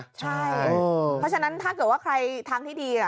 เพราะฉะนั้นถ้าเกิดว่าใครทางที่ดี